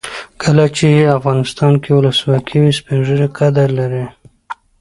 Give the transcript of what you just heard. کله چې افغانستان کې ولسواکي وي سپین ږیري قدر لري.